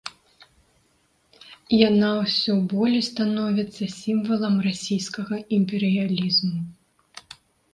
Яна ўсё болей становіцца сімвалам расійскага імперыялізму.